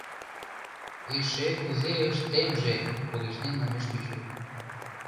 — Эше кузе ыштемже! — кугешнен манеш Печу.